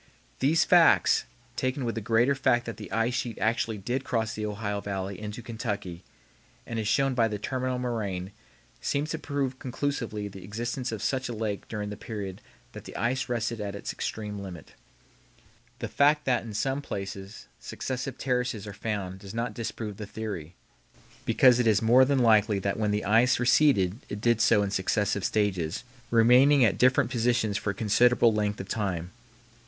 These facts, taken with the greater fact that the ice sheet actually did cross the Ohio Valley into Kentucky, as is shown by the terminal moraine, seems to prove conclusively the existence of such a lake during the period that the ice rested at its extreme limit. The fact that in some places successive terraces are found does not disprove the theory, because it is more than likely that when the ice receded it did so in successive stages, remaining at different positions for a considerable length of time.